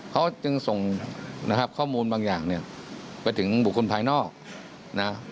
เขาจึงส่งนะครับข้อมูลบางอย่างเนี่ยไปถึงบุคคลภายนอกนะ